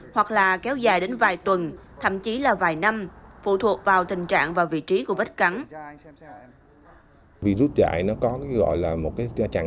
hoặc là kéo dài đến vài tuần thậm chí là vài năm phụ thuộc vào tình trạng và vị trí của vết cắn